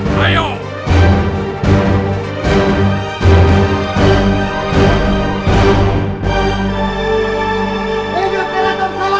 kalian harus cepat pergi